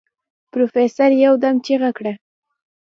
پروفيسر يودم چيغه کړه.